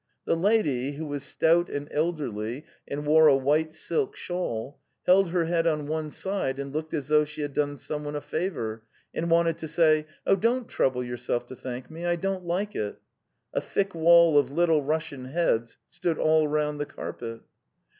The lady, who was stout and elderly and wore a white silk shawl, held her head on one side and looked as though she had done someone a fa vour, and wanted to say: '' Oh, don't trouble your self to thank me; I don't like it. ..." A thick wall of Little Russian heads stood all round the carpet.